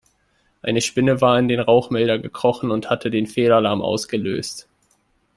Eine Spinne war in den Rauchmelder gekrochen und hatte den Fehlalarm ausgelöst.